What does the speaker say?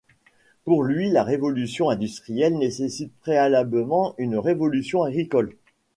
Pour lui la révolution industrielle nécessite préalablement une révolution agricole.